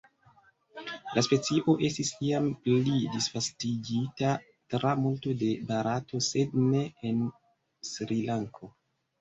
La specio estis iam pli disvastigita tra multo de Barato sed ne en Srilanko.